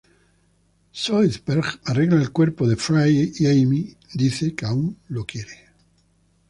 Zoidberg arregla el cuerpo de Fry y Amy dice que aún lo quiere.